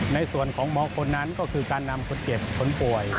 ในส่วนของหมอคนนั้นก็คือการนำคนเจ็บคนป่วย